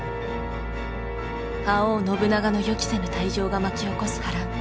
覇王信長の予期せぬ退場が巻き起こす波乱。